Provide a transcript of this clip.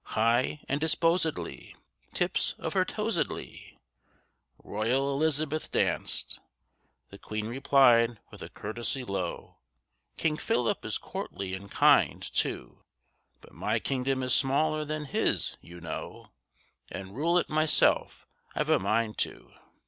high and disposedly, Tips of her toesedly, Royal Elizabeth danced. The Queen replied with a courtesy low, "King Philip is courtly and kind, too! But my kingdom is smaller than his, you know, And rule it myself I've a mind to.